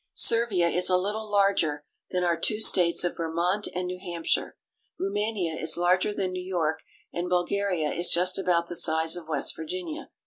Servia is a little larger than our two states of Vermont and New Hampshire ; Roumania is larger than New York, and Bul garia is just about the size of West Virginia.